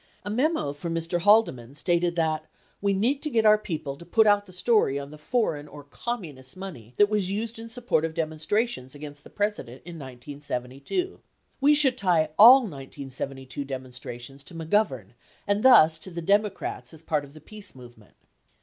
73 A memo from Mr. Haldeman stated that "we need to get our people to put out the story on the foreign or Communist money that was used in support of demonstrations against the President in 1972. We should tie al l 1972 demonstrations to McGovern and thus to the Democrats as part of the peace movement."